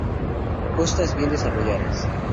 Costas bien desarrolladas.